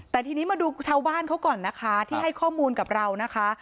แต่ทีนี้มาดูชาวบ้านเขาก่อนนะคะที่ให้ข้อมูลกับเรานะคะ